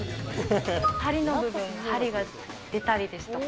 針の部分、針が出たりですとか。